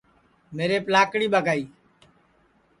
میریپ لاکڑی ٻگائی